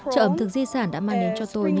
chợ ẩm thực di sản đã mang đến cho tôi